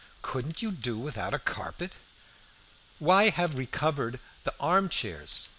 "Couldn't you do without a carpet? Why have recovered the arm chairs?